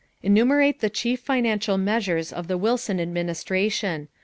Enumerate the chief financial measures of the Wilson administration.